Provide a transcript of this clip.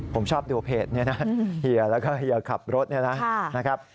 ผมชอบดูเพจเฮียแล้วก็เฮียขับรถนะครับ